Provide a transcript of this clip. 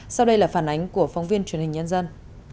sau đây là phản ánh của phóng viên truyền hình nhân dân